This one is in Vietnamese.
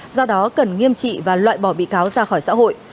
do đó cần nghiêm trị và loại bỏ bị cáo ra khỏi xã hội